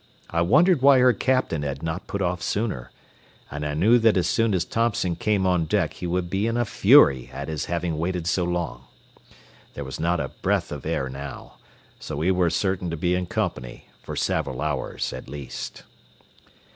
I wondered why her captain had not put off sooner, and I knew that as soon as Thompson came on deck he would be in a fury at his having waited so long. There was not a breath of air now, so we were certain to be in company for several hours at least.